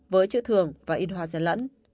với chữ thường và in hoa dàn lẫn